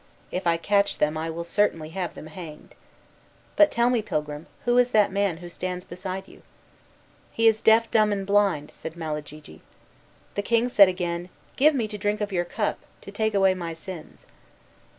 If I catch them I will certainly have them hanged. But tell me, pilgrim, who is that man who stands beside you?" "He is deaf, dumb, and blind," said Malagigi. Then the king said again, "Give me to drink of your cup, to take away my sins."